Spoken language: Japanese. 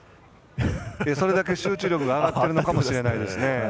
それだけ集中力が上がってるのかもしれませんね。